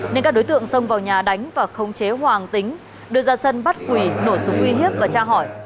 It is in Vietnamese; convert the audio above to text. nên các đối tượng xông vào nhà đánh và khống chế hoàng tính đưa ra sân bắt quỳ nổ súng uy hiếp và tra hỏi